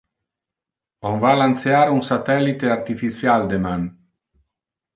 On va lancear un satellite artificial deman.